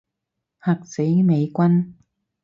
嚇死美軍